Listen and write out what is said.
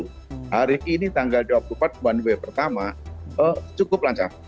hari ini tanggal dua puluh empat one way pertama cukup lancar